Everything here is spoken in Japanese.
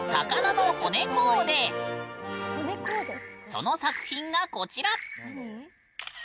その作品がこちら！